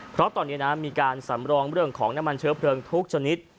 เพราะตอนนี้นะมีการสำรองเรื่องของน้ำมันเชื้อเพลิงทุกชนิด